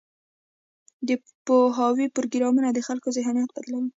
د پوهاوي پروګرامونه د خلکو ذهنیت بدلوي.